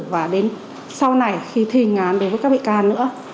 và đến sau này khi thi hình án đối với các bị can nữa